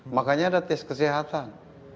makanya ada tes kesehatan